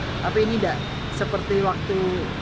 tapi ini tidak seperti waktu